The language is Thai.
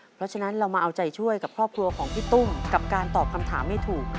เพราะฉะนั้นเรามาเอาใจช่วยกับครอบครัวของพี่ตุ้มกับการตอบคำถามให้ถูก